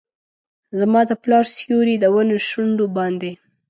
زما د پلار سیوري ، د ونو شونډو باندې